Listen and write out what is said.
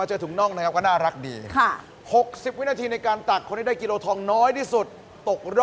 ไอ้สองคนนี้ไปใหญ่เลยเนี่ย